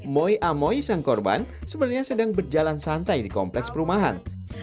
moi amoy sang korban sebenarnya sedang berjalan santai di kompleks perumahan